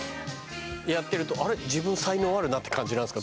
やってるとあれ自分才能あるなって感じなんですか？